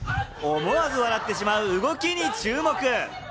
思わず笑ってしまう動きに注目。